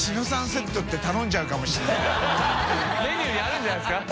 メニューにあるんじゃないですか？